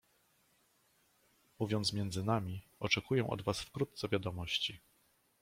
"Mówiąc między nami, oczekuję od was wkrótce wiadomości."